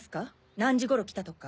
何時ごろ来たとか。